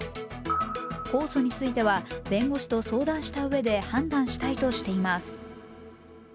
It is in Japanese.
控訴については弁護士と相談したうえで判断したいとしています。